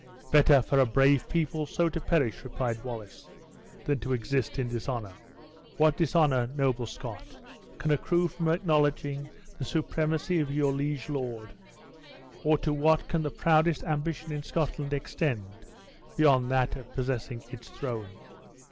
"Better for a brave people so to perish," replied Wallace, "than to exist in dishonor." "What dishonor, noble Scot, can accrue from acknowledging the supremacy of your liege lord; or to what can the proudest ambition in Scotland extend beyond that of possessing its throne?"